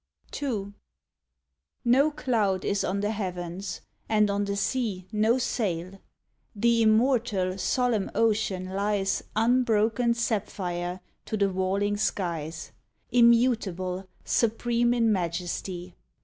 40 SONNETS ON "THE SEA'S VOICE II No cloud is on the heavens, and on the sea No sail: the immortal, solemn ocean lies Unbroken sapphire to the walling skies — Immutable, supreme in majesty.